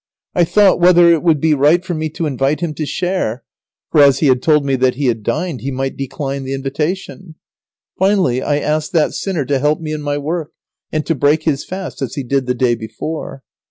I thought whether it would be right for me to invite him to share, for as he had told me that he had dined, he might decline the invitation. Finally, I asked that sinner to help me in my work, and to break his fast as he did the day before.